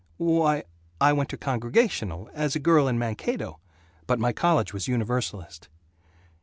"W why, I went to Congregational, as a girl in Mankato, but my college was Universalist."